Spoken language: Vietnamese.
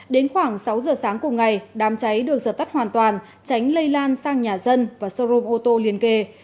đến khoảng sáu giờ sáng cùng ngày đám cháy được dập tắt hoàn toàn tránh lây lan sang nhà dân và showroom ô tô liên kề